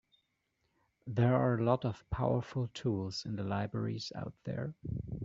There are a lot of powerful tools and libraries out there.